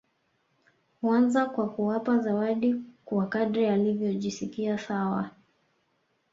Huanza kwa kuwapa zawadi kwa kadri anavyojisikia sawa